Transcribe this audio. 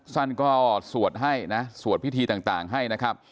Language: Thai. ท่านก็สวดให้นะสวดพิธีต่างให้นะครับ